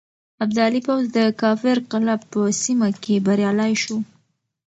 ابدالي پوځ د کافر قلعه په سيمه کې بريالی شو.